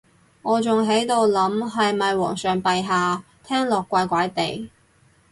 我仲喺度諗係咪皇上陛下，聽落怪怪哋